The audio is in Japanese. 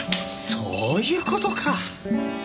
そういう事か。